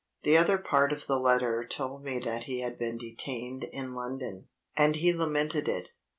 The other part of the letter told me that he had been detained in London, and he lamented it.